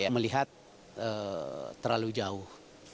melihat terlalu jauh